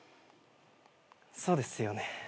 そうですよね。